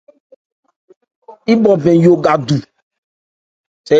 Yípɔ bɛn yo ka du.